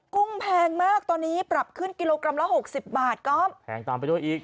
กุ้งแพงมากตอนนี้ปรับขึ้นกิโลกรัมละ๖๐บาทก็แพงตามไปด้วยอีก